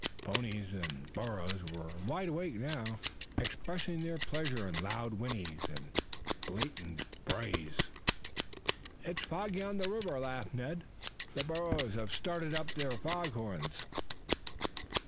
Ponies and burros were wide awake now, expressing their pleasure in loud whinnies and blatant brays. "It's foggy on the river," laughed Ned. "The burros have started up their fog horns."